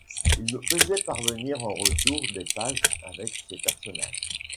Il me faisait parvenir en retour des pages avec ses personnages.